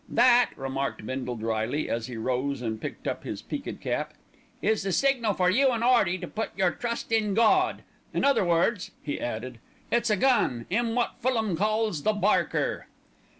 "That," remarked Bindle drily, as he rose and picked up his peaked cap, "is the signal for you an' 'Earty to put your trust in Gawd. In other words," he added, "it's a gun, 'im wot Fulham calls 'The Barker.'"